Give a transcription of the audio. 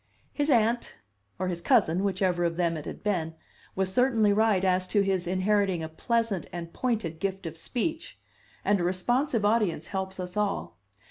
His aunt (or his cousin, or whichever of them it had been) was certainly right as to his inheriting a pleasant and pointed gift of speech; and a responsive audience helps us all.